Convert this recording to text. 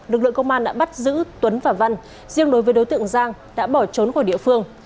lực lượng công an đã bắt giữ tuấn và văn riêng đối với đối tượng giang đã bỏ trốn khỏi địa phương